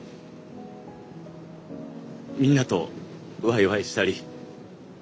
みんなとワイワイしたり。